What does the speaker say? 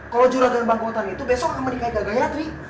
kalau juragan bangkutan itu besok akan menikahi kak gayatri